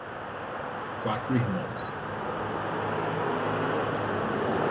Quatro Irmãos